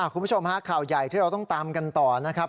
คุณผู้ชมฮะข่าวใหญ่ที่เราต้องตามกันต่อนะครับ